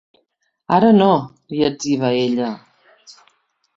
Ara no, li etziba ella.